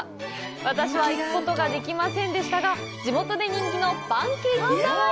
私は行くことができませんでしたが、地元で人気のパンケーキタワー。